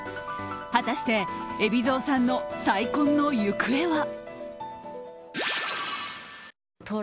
果たして海老蔵さんの再婚の行方は？